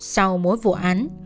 sau mỗi vụ án